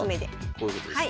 こういうことですね？